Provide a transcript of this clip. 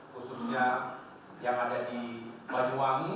khususnya yang ada di banyuwangi